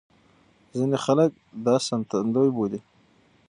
ځينې خلک دا ساتندوی بولي.